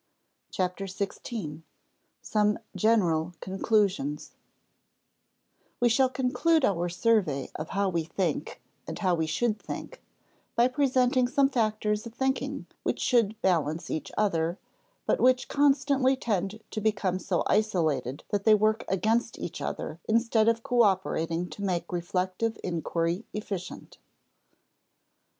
CHAPTER SIXTEEN SOME GENERAL CONCLUSIONS We shall conclude our survey of how we think and how we should think by presenting some factors of thinking which should balance each other, but which constantly tend to become so isolated that they work against each other instead of cooperating to make reflective inquiry efficient.